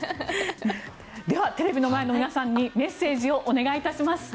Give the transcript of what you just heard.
ではテレビの前の皆さんにメッセージをお願いします。